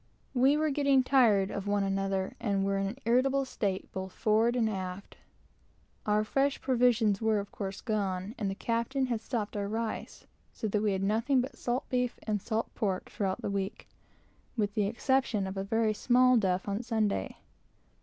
We were getting tired of one another, and were in an irritable state, both forward and aft. Our fresh provisions were, of course, gone, and the captain had stopped our rice, so that we had nothing but salt beef and salt pork throughout the week, with the exception of a very small duff on Sunday.